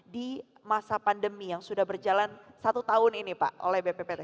di masa pandemi yang sudah berjalan satu tahun ini pak oleh bppt